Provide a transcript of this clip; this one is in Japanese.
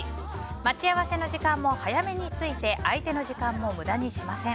待ち合わせの時間も早めに着いて相手の時間も無駄にしません。